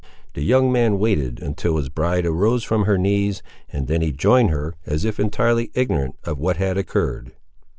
The young man waited until his bride arose from her knees, and then he joined her, as if entirely ignorant of what had occurred.